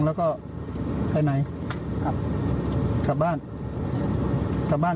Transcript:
กลับไปวันอื่นกิน